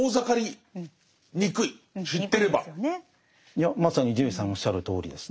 いやまさに伊集院さんのおっしゃるとおりですね。